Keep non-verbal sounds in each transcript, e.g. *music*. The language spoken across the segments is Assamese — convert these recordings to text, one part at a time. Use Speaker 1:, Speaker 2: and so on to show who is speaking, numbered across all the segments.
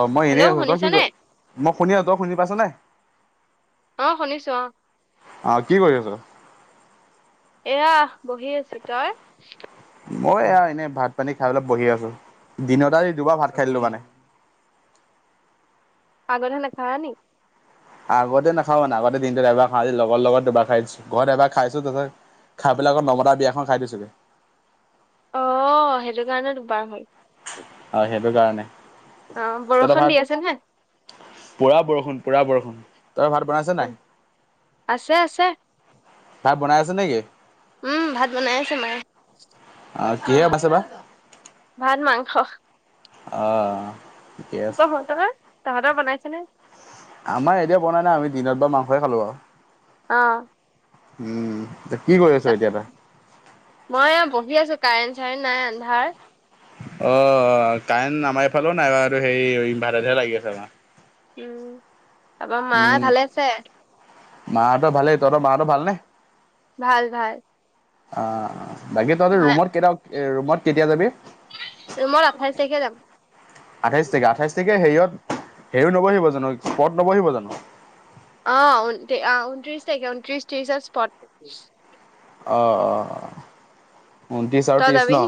Speaker 1: অ মই এনেই
Speaker 2: হেল্ল'
Speaker 1: আছো তই কি ক
Speaker 2: শুনিছানে?
Speaker 1: মই শুনি আছো তই শুনি পাইছ নে
Speaker 2: অ শুনিছো অ
Speaker 1: অ কি কৰিছ আছ
Speaker 2: এয়া বহি আছো তই
Speaker 1: মই আৰু এনে ভাত পানী খাই অল বহি আছো দিনতে দুবাৰ ভাত খাই দিলো মানে
Speaker 2: পাগ ধ খানে খোৱা নি
Speaker 1: আগতে নাখা না আগতে দিনটোত এবাৰ খাওঁ দি লগৰ লগত দুবাৰ খাই দিছো ঘৰত এবাৰ খাইছো তত খাব পেল আত নমতা বিয়াখন খাই দিছঁগৈ
Speaker 2: অঁ সেইটো কাৰণে দুবাৰ হ'ল
Speaker 1: অ সেইটো কাৰণে
Speaker 2: অ
Speaker 1: তহঁতৰ
Speaker 2: বৰষুণ
Speaker 1: ভাত
Speaker 2: দি আছে নে
Speaker 1: পুৰা বৰষুণ পুৰা বৰষুণ তই ভাত বনাইছ নাই
Speaker 2: আছে আছে।
Speaker 1: ভাত বনাই আছে নেকি
Speaker 2: উম ভাত বনাই আছে মায়ে।
Speaker 1: অ কিহে বাইছে বাা
Speaker 2: ভাত মাংস
Speaker 1: অ ঠিকে আছে
Speaker 2: তহঁত তাহাঁতৰ বনাইছে নে
Speaker 1: আমাৰ এতিয়া বনাই নাই আমি দিনত বা মাংসই খালো আৰু
Speaker 2: অ
Speaker 1: উম এতিয়া কি কৰি আছ এতিয়া তই
Speaker 2: মই বহি আছো কাৰেণ্ট চাৰেণ্ট নাই আন্ধাৰ
Speaker 1: অ কাৰেণ্ট আমাৰ এইফালেও নাই বাৰু হেৰি ইনভাৰ্টাৰতহে লাগি আছে আমাৰ
Speaker 2: উম তাৰ পৰা মা
Speaker 1: উম,
Speaker 2: ভালে আছে
Speaker 1: মাহঁতৰ ভালে তহঁতৰ মাহঁতৰ ভাল নে
Speaker 2: ভাল ভাল
Speaker 1: অ বাকী তহঁতি
Speaker 2: মা
Speaker 1: ৰুমত কেইটা ৰুমত কেতিয়া যাবি
Speaker 2: ৰুমত আঠাইছ তাৰিখে যাম
Speaker 1: আঠাইছ তাৰিখে আঠাইছ তাৰিখে হেৰিয়ত হেৰিও নবহিব জানো পত নবহিব জানো
Speaker 2: অ অহ ঊনত্ৰিছ তাৰিখে ঊনত্ৰিশ ত্ৰিছত স্পট
Speaker 1: অ অ অ ঊনত্ৰিছ আৰু
Speaker 2: তই যাবি
Speaker 1: ত্ৰিছ ন
Speaker 2: নি?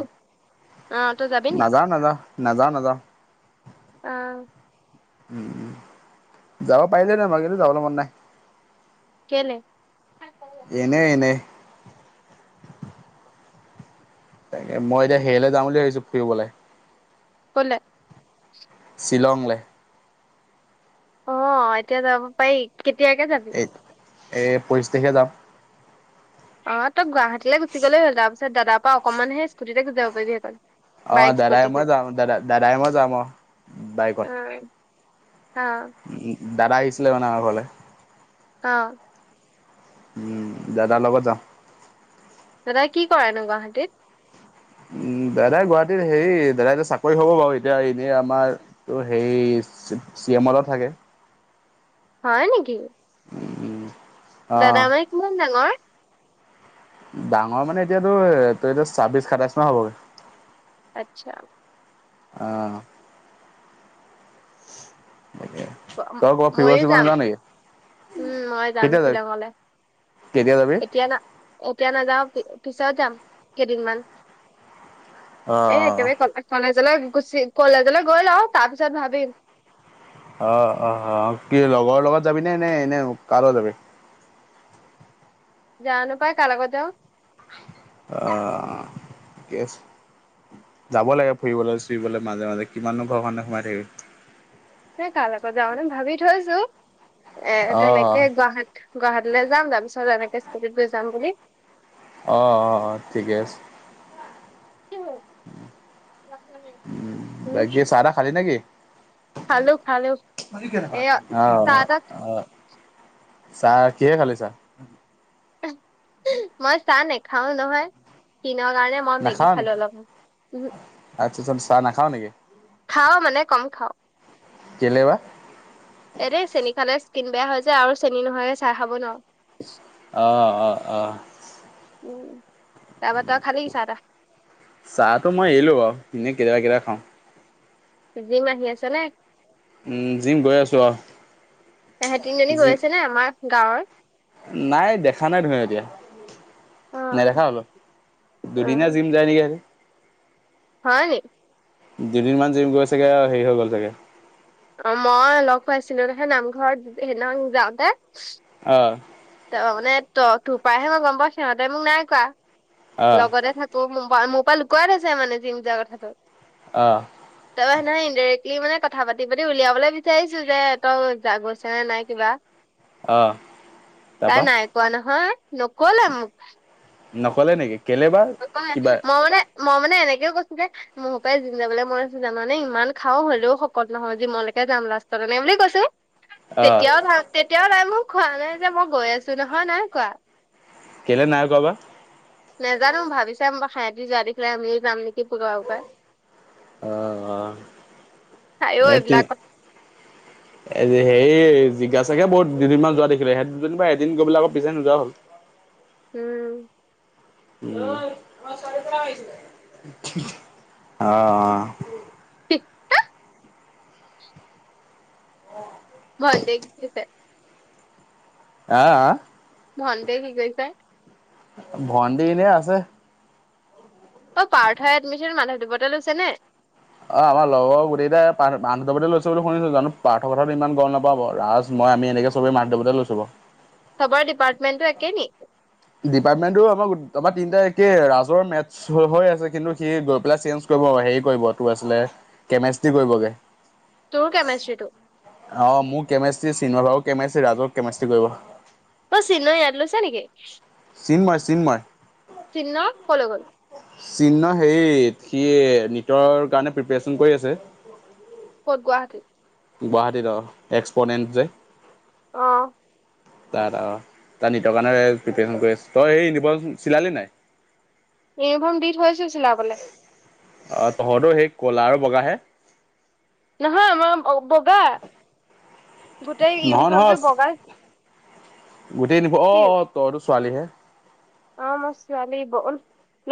Speaker 2: অ তই যাবি নি?
Speaker 1: নাযাও নযাও নাযাও নাযাও
Speaker 2: অ
Speaker 1: উ উ যাব পাৰিলে হেতেন মোৰ কিন্তু যাবলৈ মন নাই
Speaker 2: কেলে
Speaker 1: এনেই এনেই তাকে মই এতিয়া হেৰিলে যাম বুলি ভাবিছো ফুৰিবলে
Speaker 2: ক'লে
Speaker 1: শ্বিলংলে
Speaker 2: অ এতিয়া যাব পাৰি কেতিয়াকে যাবি
Speaker 1: এই এই পঁচিছ তাৰিখে যাম
Speaker 2: অ তই গুৱাহাটীলে গুচি গলেই হ'ল তাৰপিছত দাদাৰ পৰা অকণমানহে স্কুটিতে গুছি যাব পাৰিবি সেইকণ
Speaker 1: অ
Speaker 2: বাইক
Speaker 1: দাদাই
Speaker 2: স্কুটি
Speaker 1: মই
Speaker 2: কিনি
Speaker 1: যাম দাদা দাদাই মই যাম আৰু বাইকত
Speaker 2: অ
Speaker 1: উ দাদা আহিছিলে মানে আমা ঘৰলে
Speaker 2: অ
Speaker 1: উম দাদা লগত যাম
Speaker 2: দাদা কি কৰেনো গুৱাহাটীত
Speaker 1: উম দাদাই গুৱাহাটীত হেৰি দাদাই এতিয়া চাকৰি হ'ব বাৰু এতিয়া এনেই আমাৰ ত সেই চি এম লগত থাকে
Speaker 2: হয় নেকি
Speaker 1: উম
Speaker 2: দাদা মানে কিমান ডাঙৰ
Speaker 1: ডাঙৰ মানে এতিয়াতো তই এইটো ছাব্বিশ সাতাইছ মান হ'বগে
Speaker 2: আচ্ছা
Speaker 1: অ তই কৰবাত ফুৰিব
Speaker 2: ময়ো
Speaker 1: চুৰিব
Speaker 2: যাম
Speaker 1: নাযাও নেকি
Speaker 2: উম মই যাম
Speaker 1: কেতিয়া যাবি
Speaker 2: শ্বিলঙলে
Speaker 1: কেতিয়া যাবি
Speaker 2: এতিয়া না এতিয়া নাযাও পি পিছত যাম কেইদিনমান এ
Speaker 1: অঁ
Speaker 2: একেবাৰে কণ্টেক্ট কলেজলৈ গুচি কলেজলৈ গৈ লও তাৰ পিছত ভাবিম
Speaker 1: অ অ কি লগৰ লগত যাবি নে নে এনে কাৰ লগত যাবি
Speaker 2: জানা পাই কাৰ লগত যাও
Speaker 1: অ ঠিকে আছে যাব লাগে ফুৰিবলে চুৰিবলে মাজে মাজে কিমাননো ঘৰখনতে সোমাই থাকিবি
Speaker 2: নে কাৰ লগত যাও এনে ভাবি থৈছো এ
Speaker 1: অ',
Speaker 2: তেনেকে গুৱাহাট গুৱাহাটীলৈ যাম তাৰপিছত এনেকে স্কুলীত গৈ যাম বুলি
Speaker 1: অ অ অ ঠিকে আছে উ
Speaker 2: উম
Speaker 1: বাক চাহা খালি নেকি
Speaker 2: খালো খালো এয়া চাহ
Speaker 1: আহ
Speaker 2: তাহ
Speaker 1: আহ চাহ কিহে খালি চা
Speaker 2: মই চা নেখাও নহয় কিন কাৰণে
Speaker 1: নাখাৱ
Speaker 2: মেগি
Speaker 1: নি?
Speaker 2: খালে অলপ উ
Speaker 1: আচ্ছা চাহাও নেকি
Speaker 2: খাও মানে কম খাওঁ
Speaker 1: কেলে বাপব
Speaker 2: এ দেই চেনী খালে স্কিন বেয়া হৈ যায় আৰু চেনিী নহয়ে চাই খাব নপব
Speaker 1: অ অ অ
Speaker 2: উ তাৰপৰা তই খালে কিিছা তটা
Speaker 1: চাহ তো মই এিলো বাৰ এনেই কেতিয়াবা কিবা খাওঁ
Speaker 2: জিম আহি আছে নে
Speaker 1: উম, জিম গৈ আছো আৰু।
Speaker 2: এহে তিনজনী গৈ
Speaker 1: জিম
Speaker 2: আছে ন আমাৰ গাঁৱৰ
Speaker 1: নাই দেখা নাই ধুৰি এতিয়া
Speaker 2: অ
Speaker 1: নেদেখা হলো
Speaker 2: অ অ
Speaker 1: দুদিনাীয়া যি জানিৰে
Speaker 2: হয় নি
Speaker 1: দুদিনমান জিম গৈ চাগৈ আৰু হেৰি হৈ গ'ল চাগৈ
Speaker 2: অ মই লগ পাইছিলো নামঘৰত সেইনা যাওঁতে।
Speaker 1: অ
Speaker 2: ত মানে ত তোৰ পৰাহে মই গম পাওঁ সিহঁতে মোক নাই কোৱা
Speaker 1: অ',
Speaker 2: লগতে থাক তোৰ ম মোৰ পৰা লুকুৱাই আছে মানে জিম যোৱা কথাটো
Speaker 1: অঁ
Speaker 2: তাৰ সেনেহয় ইনডাইৰেক্টলি মানে কথা পাতি পাতি উলিয়াবলৈ বিচাৰিছো যে তই জ গৈছে নে নাই কিবা
Speaker 1: অঁ
Speaker 2: তাই নাই কোৱা নহয় নকলে মোক
Speaker 1: নকলে নেকি কেলে বা
Speaker 2: ক
Speaker 1: কিবা
Speaker 2: মই মানে মই মানে এনেকেও কৈছো যে মোৰ পৰাই যিম যাবলৈ মই জানোনে ইমান খাও হলেও শকত নহয় যি মলৈকে যাম লাষ্টতে নাই বুলি কৈছো
Speaker 1: আহ
Speaker 2: তেতিয়াও তেতিয়াও তাই মোক খোৱা নাই যে মই গৈ আছো নহয় নাই কোৱা
Speaker 1: কেলে নাই কৰা বা
Speaker 2: নোজানো ভাবি চাম বাৰ খাহহতি যোৱা দেখিলে আমিয়ে যাম নেকি পাৰ পৰা
Speaker 1: আহ
Speaker 2: তাইও
Speaker 1: অ
Speaker 2: এইবিলাক
Speaker 1: এতিয়া এ হেৰি জিগাছাগে বহুত দুদিনমান যোৱা দেখিলে সেই দুদী বা এদিন গৈবাক আক পিছোই নোযোৱা হল
Speaker 2: উম
Speaker 1: আহ
Speaker 2: ঠিক হা ভন্তিক দিছে
Speaker 1: হা
Speaker 2: ভণ্টি কি কৰিছে
Speaker 1: ভণ্টি এনে আছে
Speaker 2: অ পাৰ্থাই এডমিশ্যন মাধৱ দেৱততে লৈছে নে?
Speaker 1: অ আমাৰ লগৰ গোটেই কেইটাই পান হুণ্ডাবলে লৈছে বুলি শুনিছো জানো পাৰ্থ কথাটো ইমান গম নাপাওঁ ৰাজ মই আমি এনেক চবে মাক দেউতাকো লৈছো বাও
Speaker 2: চবৰে ডিপাৰ্টমেণ্টটো একে নেকি
Speaker 1: ডিপাৰ্টমেন্টো আমাৰ আমাৰ তিনিটা একে ৰাজৰ মেস্ট চৌ হৈ আছে কিন্তু সি গৈ পেলাই চেঞ্জ কৰিব হেৰি কৰিব তোৰ আছিলে কেমেষ্ট্ৰি কৰিব গে
Speaker 2: তোৰ কেমিষ্ট্ৰিটো
Speaker 1: অহ মোৰ কেমেষ্ট্ৰ্ৰী চিন্ময় বাৰু কেমেষ্ট্ৰ্ৰী ৰাজক কেমেষ্ট্ৰী কৰিব
Speaker 2: ঐ চিন্ময় ইয়াত‌ লৈছে নেকি
Speaker 1: চিন্মায় চিন্মায়
Speaker 2: চিন্ময় কলৈ গ'ল
Speaker 1: চিন্ময় হেৰি সি এই নিজৰ কাৰণে প্ৰিপেৰেচন কৰি আছে
Speaker 2: ক'ত গুৱাহাটীত
Speaker 1: গুৱাহাটীত অহ এক্সপ'নেণ্ট যে
Speaker 2: অহ
Speaker 1: তাত আও তাৰ নিটৰ কাৰণে প্ৰিপেচন কৰি আছে তই সেই ইউনিফৰ্ম চিলালি নাই *unintelligible*
Speaker 2: ইউনিফৰ্ম দি থৈছোঁ চিলা বলে
Speaker 1: অঁহ তহঁতৰ সেই ক'লা আৰু বগাহে
Speaker 2: নহয় আমাৰ বগা গোটেই
Speaker 1: নহয়
Speaker 2: ইউনিফৰ্মটো
Speaker 1: নহয়
Speaker 2: বগা
Speaker 1: গোটেই অহ অহ তইতো ছোৱালীহে
Speaker 2: অহ মই ছোৱালী ব-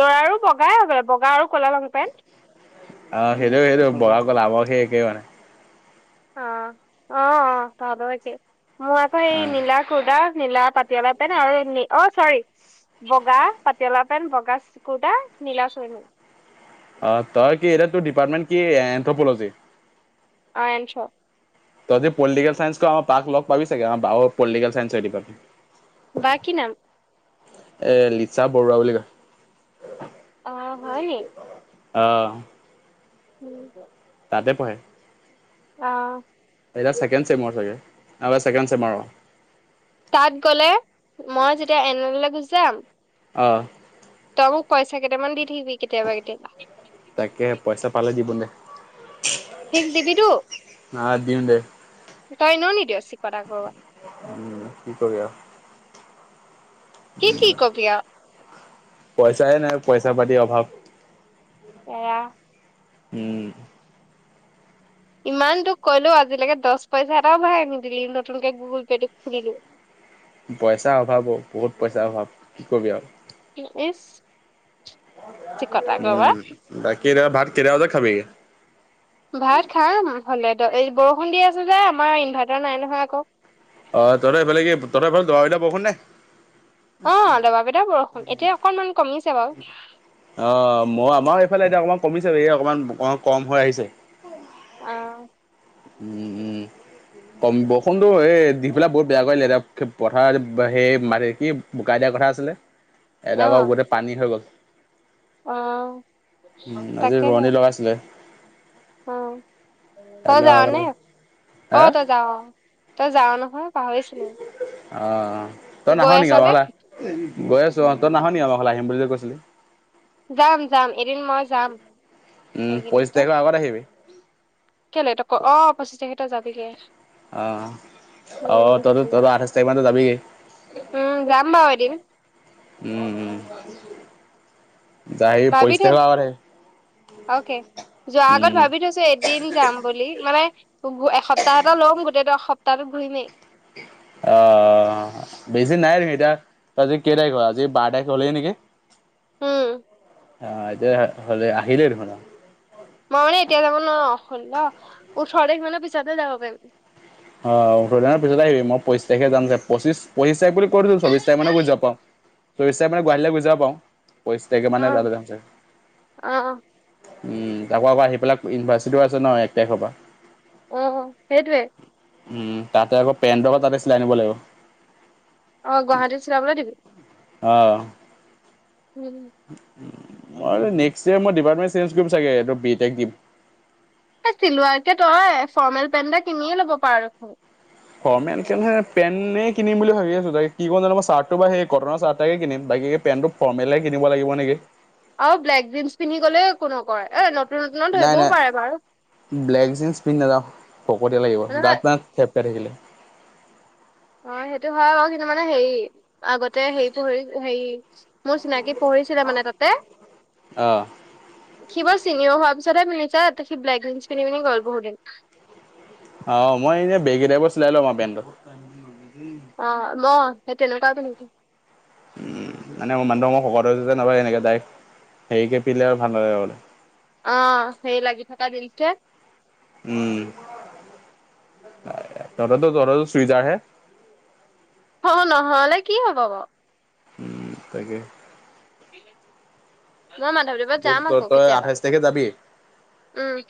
Speaker 2: ল'ৰাৰো বগাই বগা আৰু ক'লা লং পেণ্ট
Speaker 1: অহ সেইটো সেইটো বগা- কলা আমাৰো সেই একে মানে
Speaker 2: অহ অহ তহতৰো একে মোৰ আকৌ
Speaker 1: অ
Speaker 2: এই নীলা কুৰ্তা নীলা পাটিয়ালা পেন্ট আৰু অহ চৰি বগা পাটিয়ালা পেণ্ট বগা কুৰ্তা নীলা চুইনো
Speaker 1: অহ তই কি এতিয়া তোৰ ডিপাৰ্টমেণ্ট কি এনথ্ৰপলজি
Speaker 2: অহ এনথ্ৰ
Speaker 1: তহঁদি পলিটিকেল চায়েন্সটো আমাৰ বাক লগ পাবি চাগে আমাৰ বায়ো পলিটিকেল চাইন্সে ডিপাৰ্টমেণ্ট
Speaker 2: বাৰ কি নাম
Speaker 1: এ লিজা বৰুৱা বুলি কয়
Speaker 2: অহ হয় নি
Speaker 1: অহ
Speaker 2: উম ক
Speaker 1: তাতে পঢ়ে
Speaker 2: অহ
Speaker 1: এতিয়া ছেকেণ্ড চেমৰ হয় চাগে আৰু ছেকেণ্ড চেমৰ অ
Speaker 2: তাত গ'লে মই যেতিয়া এনললে গুচি যাম
Speaker 1: অঁহ
Speaker 2: তই মোক পইচা কেইটামান দি থাকিবি কেতিয়াবা কেতিয়াবা
Speaker 1: তাকে পইচা পালে দিব নে
Speaker 2: ঠিক দিবি টো
Speaker 1: নহয় দিম দে
Speaker 2: তই এনেও নিদিয় চিকতা ঘৰুৱা
Speaker 1: উম কি কৰি আও
Speaker 2: কি কি কবি আও
Speaker 1: পইচাই নাই পইচা পাতিৰ অভাৱ
Speaker 2: এয়া।
Speaker 1: উম।
Speaker 2: ইমান তোক কলো আজিলৈকে দছ পইচা এটাও ভৰাই নিদিলি নতুনকে গুগুল পে'টো খুলিলো।
Speaker 1: পইচাৰ অভাৱ অ বহুত পইচাৰ অভাৱ কি কবি আৰু।
Speaker 2: টো ইচ চিকতা কৰবাৰ।
Speaker 1: উম বাকী ৰা ভাত কেইটা বজাত খাবিগে?
Speaker 2: ভাত খাম হ'লেতো এই বৰষুণ দি আছোঁ যে আমাৰ ইনভাৰ্টাৰ নাই নহয় আকৌ।
Speaker 1: অ তহতৰ ফালে কি তহতৰ ফালে দবাপিটা বৰষুন নে?
Speaker 2: অ দবা পিটা বৰষুণ এতিয়া অকনমান কমিছে বাৰু।
Speaker 1: অ মই আমাৰ এইফালে এতিয়া অকমান কমিছে এই অকণমান অ কম হৈ আহিছে।
Speaker 2: আ।
Speaker 1: উম উম কম বৰষুণটো এই দি বোলা বহুত বেয়া কৰিলে এতিয়া ফি পথাৰ বা সেই মাটি কি বোকা দিয়া কথা আছিলে। এটা
Speaker 2: অ
Speaker 1: ভাগবতে পানী হৈ গ'ল।
Speaker 2: অ
Speaker 1: উম আজি
Speaker 2: তাকেহে
Speaker 1: ৰোৱনী লগাইছিলে।
Speaker 2: অ তই
Speaker 1: কাইলৈ
Speaker 2: যাৱানে?
Speaker 1: আগতে হে
Speaker 2: অ তই যা অ। তই যাও নহয় পাহৰিছিলো।
Speaker 1: অ তই নাহ
Speaker 2: গৈ আছ
Speaker 1: নেকি আমাৰ
Speaker 2: নে
Speaker 1: ফালে? গৈ আছো অহঁ ত নাহ নেকি আমাৰ ঘৰলৈ আহিম বুলি যে কৈছিলি?
Speaker 2: যাম যাম এদিন মই যাম,
Speaker 1: উম পঁচিছ
Speaker 2: এদিনটো।
Speaker 1: তাৰিখৰ আগত আহিবি
Speaker 2: কেলে তক অঁ পঁচিছ তাৰিখে ত‌ই যাবিগে।
Speaker 1: অহ, অ
Speaker 2: উম
Speaker 1: তই ত তই আঠাইছ তাৰিখ মান যাবিগি।
Speaker 2: উম যাম বাৰু এদিন।
Speaker 1: উম উম। আহি
Speaker 2: ভাবি
Speaker 1: পঁচিছ তাৰিখৰ
Speaker 2: থৈছো,
Speaker 1: আগত আহিবি
Speaker 2: অকে যোৱা আগত
Speaker 1: উম
Speaker 2: ভাবি থৈছো এদ দিন যাম বুলি মানে গো এসপ্তাহ এটা লম গোটেই এসপ্তাহত ঘূৰিমেই।
Speaker 1: অ। অ বেছি নাই নি এতিয়া আজি কেই তাৰিখ হয় আজি বাৰ তাৰিখ হলে নেকি?
Speaker 2: উম।
Speaker 1: আ এতিয়া হ হলে আহিলেই দেখুন।
Speaker 2: মই মানে এতিয়া যাব নোৱাৰ, ষোল্ল ওঠৰ তাৰিখমানৰ পিছতে যাব পাৰিম।
Speaker 1: অ ওঠৰ দিনৰ পিছতে আহিবি, মই পচিছ তাৰিখে যাম যে, পচিছ পচিছ তাৰিখ বুলি কত গল চৌবিশ তাৰিখ মানত গৈ যা পাওঁ, চৌবিশ তাৰিখ মানত গুৱাহাটীলৈ গৈ যা পাওঁ। পঁচিছ তাৰিখ
Speaker 2: অ
Speaker 1: মানে
Speaker 2: অ
Speaker 1: *unintelligible* উম তাৰপৰা আকৌ আহি পেলাই ইউনিভাৰ্চিটিও আছে ন এক তাৰিখৰ পৰা।
Speaker 2: অ সেইটোৱে।
Speaker 1: উম তাতে আকৌ পেণ্টৰ তাতে চিলাই নিব লাগিব।
Speaker 2: অ গুৱাহাটীত চিলাবলৈ দিবি।
Speaker 1: অ।
Speaker 2: উ উম।
Speaker 1: উম মই বাৰু নেক্সট য়েৰ মই দিবা নোৱাৰোঁ চেনজ কৰিম চাগে এইটো বি টেক দিম।
Speaker 2: এই চিলোৱাৰকে তই ফৰ্মেল পেণ্ট এটা কিনিয়ে ল'ব পাৰ দেখোন।
Speaker 1: ফৰ্মেলকে নহয় পেননে কিনিম বুলি ভাবি আছো ত কি ক জানো মই চাৰ্টো বা সেই কটনৰ চাৰ্টাকে কিনিম বাকী পেনটো ফৰ্মেলাই কিনিব লাগিব নেকি?
Speaker 2: আৰু ব্লেক জিনচ পিন্ধি গ'লে একো নকৰে, এ নতুন নতুনত
Speaker 1: নাই নাই
Speaker 2: ধৰিবও পাৰে বাৰু।
Speaker 1: ব্লেক জিন্স পিন্ধি নাযাও ভকতীয়া লাগিব গাত
Speaker 2: নহয়
Speaker 1: পানাত থেপ খাই থাকিলে
Speaker 2: অ সেইটো হয় বাও কিন্তু মানে হেৰি আগতে হেৰি পু হেৰি মোৰ চিনাকী পঢ়িছিলে মানে তাতে
Speaker 1: অ
Speaker 2: সি বাও চিনিও হোৱাৰ পিছতহে পিন্ধিছে ত সি ব্লেক জিন্স পিন্ধি পিনি গল বহু দিন
Speaker 1: অ মই এনে ব্লেকেই টাইপৰ চিলাই লম আও পেণ্টটো
Speaker 2: অ ম সেই তেনেকোৱাতে নেকি
Speaker 1: উম মানে মোৰ মানুহটো ম শকত হৈ গৈছো যে এনেকে ডাইৰেক্ট হেৰিকে পিন্ধিলে আৰু ভাল নালাগিব মানে
Speaker 2: অ সেই লাগি থকা দিনকেইটাত
Speaker 1: উম তহঁততো তহঁততো চুইজাৰ হে
Speaker 2: অ নহ'লে কি হ'ব বাও
Speaker 1: তাকে
Speaker 2: মই মাধৱদেৱত
Speaker 1: তই
Speaker 2: যাম আকৌ
Speaker 1: তই
Speaker 2: কেতিয়াবা
Speaker 1: আঠাইছ তাৰিখে যাবি
Speaker 2: উম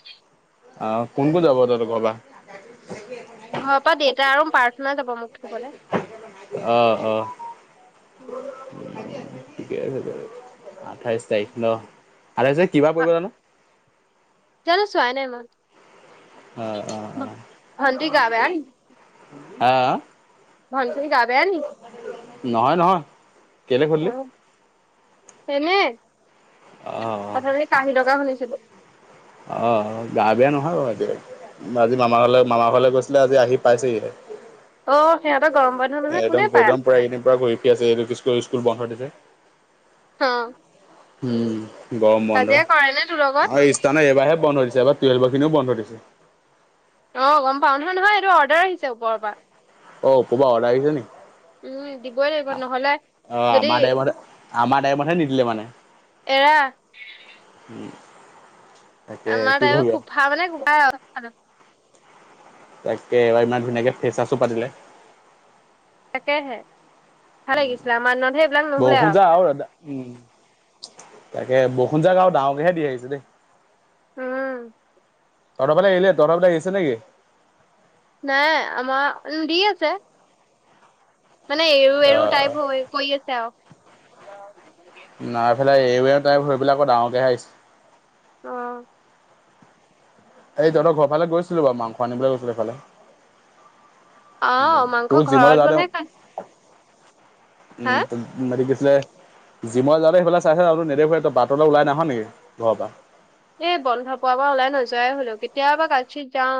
Speaker 1: অ কোন কোন যাব তহঁত ঘৰৰ পৰা
Speaker 2: ঘৰৰ পৰা দেউতা আৰু প্ৰাৰ্থনা যাব মোক থবলে
Speaker 1: অহ অ ঠিকে আছে আঠাইশ তাৰিখ ন আঠাইশ তাৰিখ কিবা পৰিব জানো
Speaker 2: জানো চোৱাই নাই মই
Speaker 1: অ'
Speaker 2: ভণ্টিৰ গা বেয়া
Speaker 1: অহ
Speaker 2: ভণ্টিৰ গা বেয়া নি
Speaker 1: নহয় নহয় কেলে
Speaker 2: অ
Speaker 1: সুধিলি?
Speaker 2: এনেই
Speaker 1: অহ
Speaker 2: শুনিছিলো
Speaker 1: অহ অ গা বেয়া নহয় বাও এতিয়া আজি মামাৰ ঘৰলৈ মামাৰ ঘৰলৈ গৈছিলে আজি আহি পাইছেহি
Speaker 2: অ সিহঁতৰ গৰম বন্ধ নহয় কোনে পায়
Speaker 1: একদম
Speaker 2: আও
Speaker 1: পুৰা এইকেইদিন পুৰা ঘূৰি ফুৰি আছে এইটো স্কুল স্কুল বন্ধ দিছে
Speaker 2: অ
Speaker 1: উম গৰম বন্ধ
Speaker 2: কাজিয়া কৰে নে তোৰ লগত
Speaker 1: আৰু ইষ্টানে এইবাৰহে বন্ধ দিছে এবাৰ টুৱেলভৰ খিনিও বন্ধ দিছে
Speaker 2: অ গম পাও নহয় নহয় এইটো অৰ্ডাৰ আহিছে ওপৰৰ পৰা
Speaker 1: অ ওপৰ পা অৰ্ডাৰ আহিছে নেকি
Speaker 2: উম, দিবই লাগিব নহ'লে
Speaker 1: অ
Speaker 2: যদি
Speaker 1: আমাৰ টাইমতে আমাৰ টাইমতহে নিদিলে মানে
Speaker 2: এৰা
Speaker 1: হম
Speaker 2: আমাৰ টাইমত কোফা মানে কোফাই আও
Speaker 1: তাকে এবাৰ ইমান ধুনীয়াকে ফেচাৰ্চো পাতিলে
Speaker 2: তাকেহে ভাল লাগিছিলে আমাৰ দিনতহে এইবিলাক নহ'লে আও
Speaker 1: খাও দাদা উম তাকে বৰষুণ জাক আও ডাঙৰকেহে দি আহিছে দেই
Speaker 2: উম
Speaker 1: তহঁতফালে এৰিলে তহঁতৰফাল এৰিছে নেকি
Speaker 2: নাই আমাৰ উম দি আছে মানে এৰু এৰু টাইপ
Speaker 1: অহ
Speaker 2: হৈ কৰি আছে আও অ
Speaker 1: নাই এফালে এৰু এৰু টাইপ হৈ পেলাই আকৌ ডাঙৰকেহে আহিছে
Speaker 2: অ
Speaker 1: আজি তহঁতৰ ঘৰফালে গৈছিলো বাও মাংস আনিবলৈ গৈছিলো সেফালে
Speaker 2: অ', মাংস
Speaker 1: তোৰ জিমলে
Speaker 2: ঘৰত
Speaker 1: যাওতে
Speaker 2: বনাই খা হা
Speaker 1: উম *unintelligible* জীমলে যাওঁতে সেইফালে চাই চাই যাওঁ তোক নেদেখুৱে, ত বাটলে উলাই নাহ নেকি ঘৰৰ পৰা?
Speaker 2: এই বন্ধ পোৱাৰ পৰা ওলাই নাযোৱাই হলোঁ, কেতিয়াবা কাৎচিৎ যাওঁ।